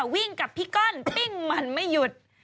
วิ่งกับพี่ก้อนปิ้งมันไม่หยุด